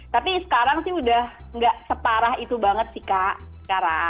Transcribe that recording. tapi sekarang sih udah gak separah itu banget sih kak